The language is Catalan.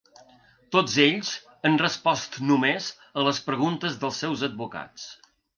Tots ells han respost només a les preguntes dels seus advocats.